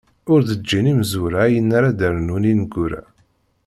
Ur d-ǧǧin imezwura ayen ara ad rnun ineggura.